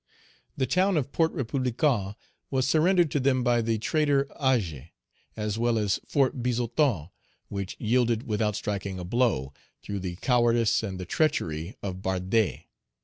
"The town of Port Republican was surrendered to them by the traitor Agé, as well as Fort Bizoton, which yielded without striking a blow, through the cowardice and the treachery of Bardet.